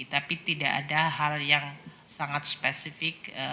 tapi tidak ada hal yang sangat spesifik